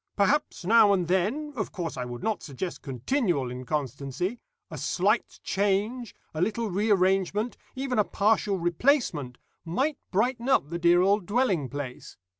Perhaps, now and then of course, I would not suggest continual inconstancy a slight change, a little rearrangement, even a partial replacement, might brighten up the dear old dwelling place.